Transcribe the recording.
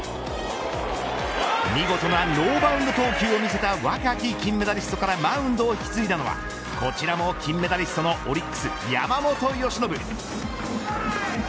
見事なノーバウンド投球を見せた若き金メダリストからマウンドを引き継いだのはこちらも金メダリストのオリックス山本由伸。